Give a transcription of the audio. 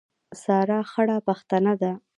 سارا خړه پښتنه ده.